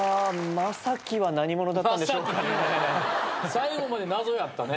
最後まで謎やったね。